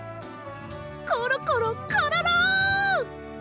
コロコロコロロ！